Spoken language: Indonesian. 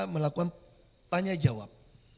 melakukan tanya jawab